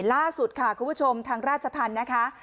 ล่าสุดค่ะคุณผู้ชมทางราชธรรมนะคะ